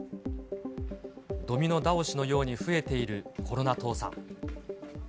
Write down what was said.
ドミノ倒しのように増えているコロナ倒産。